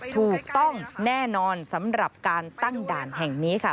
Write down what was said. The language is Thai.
ถูกต้องแน่นอนสำหรับการตั้งด่านแห่งนี้ค่ะ